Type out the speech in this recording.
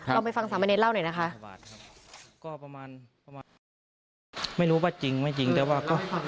เราไปฟังสามัญเนสเล่าหน่อยนะคะก็ประมาณไม่รู้ว่าจริงไม่จริงแต่ว่าก็